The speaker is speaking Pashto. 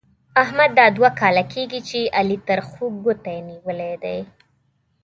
احمد دا دوه کاله کېږي چې علي تر خوږ ګوتې نيولې دی.